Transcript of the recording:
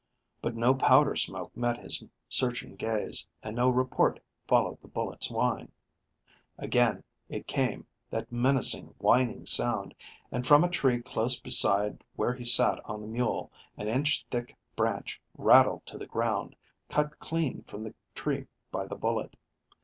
But no powder smoke met his searching gaze, and no report followed the bullet's whine. Again it came, that menacing, whining sound, and from a tree close beside where he sat on the mule an inch thick branch rattled to the ground, cut clean from the tree by the bullet.